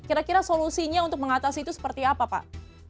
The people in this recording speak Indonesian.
kira kira solusinya untuk mengatasi itu seperti apa pak